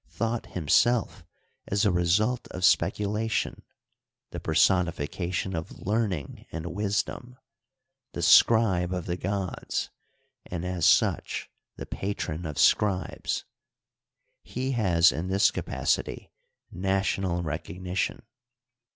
Thot himself is a result of specu lation, the personification of learning and wisdom; the scribe of the gods, and as such the patron of scribes. He has in this capacity national recognition.